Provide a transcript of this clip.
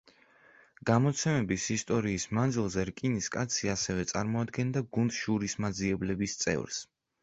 გამოცემების ისტორიის მანძილზე რკინის კაცი ასევე წარმოადგენდა გუნდ „შურისმაძიებლების“ წევრს.